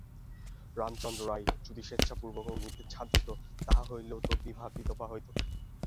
রামচন্দ্র রায় যদি স্বেচ্ছাপূর্বক অগ্নিতে ঝাঁপ দিত, তাহা হইলেও তো বিভা বিধবা হইত।